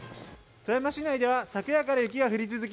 富山市内では昨夜から雪が降り続き